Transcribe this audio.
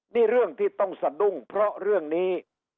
นี่เรื่องที่ต้องสะดุ้งเพราะเรื่องนี้